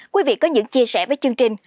quý vị có những chia sẻ với chương trình